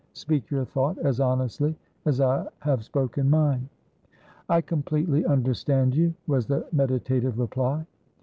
Speak your thought as honestly as I have spoken mine." "I completely understand you," was the meditative reply.